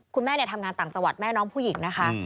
คุณแม่ทำงานต่างจังหวัดแม่น้องผู้หญิงนะคะ